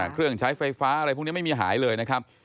เครื่องใช้ไฟฟ้าอะไรพวกนี้ไม่มีหายเลยนะครับ